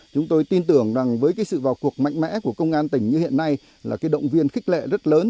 chúng tôi tin tưởng với sự vào cuộc mạnh mẽ của công an tỉnh như hiện nay là động viên khích lệ rất lớn